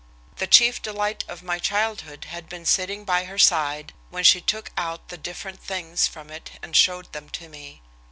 The chief delight of my childhood had been sitting by her side when she took out the different things from it and showed them to me.